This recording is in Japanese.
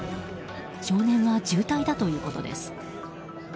少年は重体だということです。